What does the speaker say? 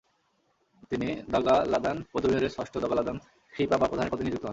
তিনি দ্গা'-ল্দান বৌদ্ধবিহারের ষষ্ঠ দ্গা'-ল্দান-খ্রি-পা বা প্রধানের পদে নিযুক্ত হন।